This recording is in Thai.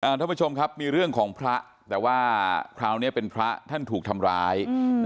ท่านผู้ชมครับมีเรื่องของพระแต่ว่าคราวนี้เป็นพระท่านถูกทำร้าย